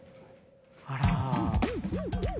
あら。